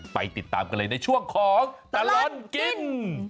ติดตามกันเลยในช่วงของตลอดกิน